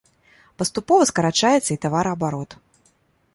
Паступова скарачаецца і тавараабарот.